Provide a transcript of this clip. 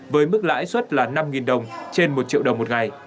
với mức lãi suất là năm đồng trên một triệu đồng một ngày